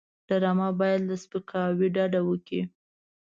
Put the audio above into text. ډرامه باید له سپکاوي ډډه وکړي